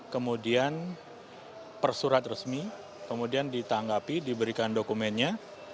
kemudian persurat resmi kemudian ditanggapi diberikan dokumennya